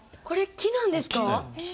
これ木なんですか？